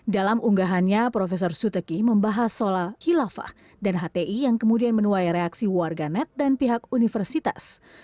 dalam unggahannya profesor suteki membahas soal kilafah dan hti yang kemudian menuai reaksi warga net dan pihak universitas